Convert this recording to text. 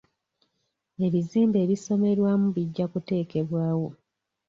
Ebizimbe ebisomerwamu bijja kuteekebwawo.